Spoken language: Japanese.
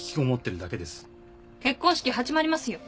結婚式始まりますよ。